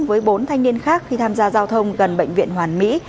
với bốn thanh niên khác khi tham gia giao thông gần bệnh viện hoàn mỹ